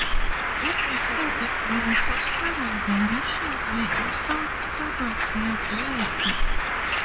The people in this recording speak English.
It is clear that manufacturing variations may impact product reliability.